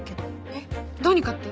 えっどうにかって？